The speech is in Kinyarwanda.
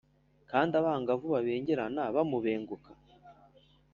kandi abangavu babengerana bamubenguka